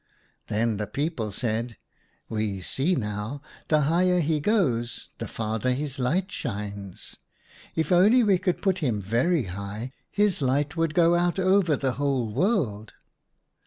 " Then the people said :' We see now, the higher he goes the farther his light shines. If only we could put him very high, his light would go out over the whole world.'